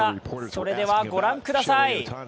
それではご覧ください。